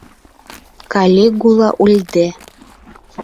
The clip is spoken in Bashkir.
Калигула үлде.